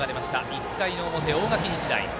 １回の表、大垣日大。